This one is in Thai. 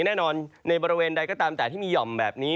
แน่นอนในบริเวณใดก็ตามแต่ที่มีห่อมแบบนี้